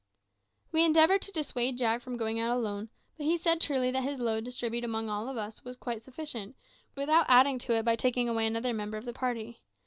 We endeavoured to dissuade Jack from going out alone, but he said truly that his load distributed among us all was quite sufficient, without adding to it by taking away another member of the party.